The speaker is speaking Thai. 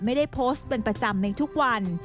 ไม่ได้โพสต์เป็นประจำในทุกวัน